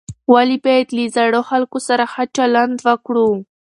ولې باید له زړو خلکو سره ښه چلند وکړو؟